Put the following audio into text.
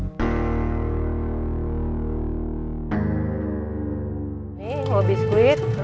ini mau biskuit